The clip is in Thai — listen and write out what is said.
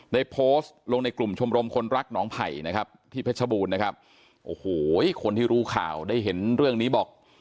ได้โพสต์ลงในกลุ่มชมรมคนรักหนองไผ่นะครับที่เพชรบูรณ์นะครับโอ้โหคนที่รู้ข่าวได้เห็นเรื่องนี้บอก